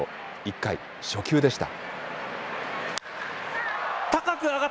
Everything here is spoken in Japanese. １回、初球でした。